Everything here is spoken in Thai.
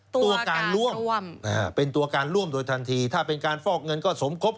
ตัวการร่วมนะฮะเป็นตัวการร่วมโดยทันทีถ้าเป็นการฟอกเงินก็สมครบ